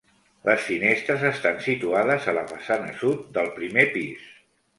Les finestres estan situades a la façana sud del primer pis.